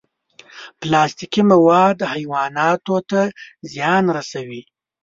پلاستيکي مواد حیواناتو ته زیان رسوي.